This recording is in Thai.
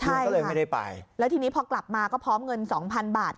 ก็เลยไม่ได้ไปแล้วทีนี้พอกลับมาก็พร้อมเงินสองพันบาท